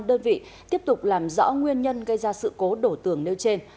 đơn vị tiếp tục làm rõ nguyên nhân gây ra sự cố đổ tường nêu trên